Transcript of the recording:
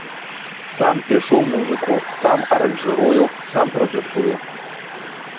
Сам пішу музыку, сам аранжырую, сам прадзюсую.